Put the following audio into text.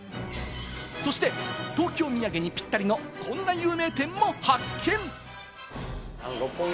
そして東京土産にぴったりの、こんな有名店も発見。